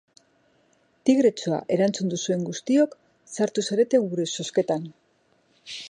Tigretxoa erantzun duzuen guztiok sartu zarete gure zozketan.